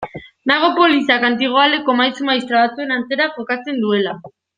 Nago poliziak antigoaleko maisu-maistra batzuen antzera jokatzen duela.